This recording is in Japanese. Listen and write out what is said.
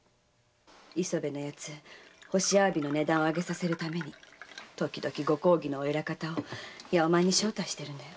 磯部の奴干しアワビの値段を上げさせるために時々ご公儀のお偉方を八百満に招待してるんだよ。